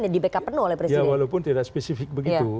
ya walaupun tidak spesifik begitu